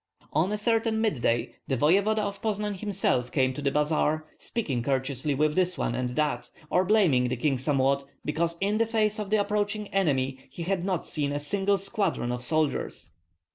On a certain midday the voevoda of Poznan himself came to the bazaar, speaking courteously with this one and that, or blaming the king somewhat because in the face of the approaching enemy he had not sent a single squadron of soldiers.